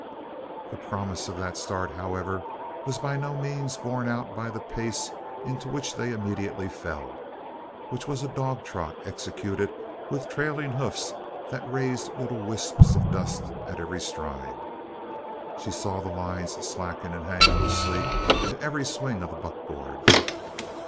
The promise of that start, however, was by no means borne out by the pace into which they immediately fell, which was a dog trot executed with trailing hoofs that raised little wisps of dust at every stride. She saw the lines slacken and hang loosely to every swing of the buckboard.